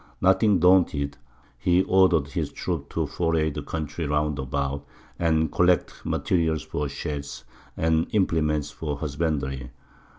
Nothing daunted, he ordered his troops to foray the country round about, and collect materials for sheds, and implements of husbandry.